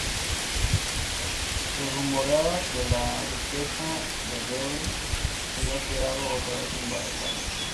Se rumoreaba que la duquesa de Berry se había quedado otra vez embarazada.